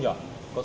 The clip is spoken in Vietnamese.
thì em xin lỗi